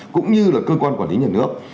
cũng như là cơ quan quản lý nhà nước